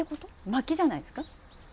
まきじゃないですか。